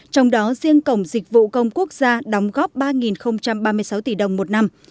trong đó riêng cổng dịch vụ công quốc gia đóng góp ba ba mươi sáu tỷ đồng một năm